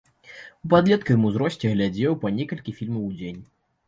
У падлеткавым узросце глядзеў па некалькі фільмаў у дзень.